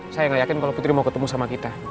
saya gak yakin kalau putri mau ketemu sama kita